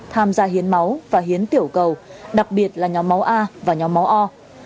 tham gia hiến máu và hiến tiểu cầu đặc biệt là nhóm máu a và nhóm máu o